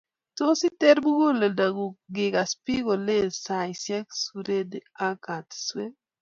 Tos iter muguleldongung ngikas bik kolen saisiek, serunek ak katiswek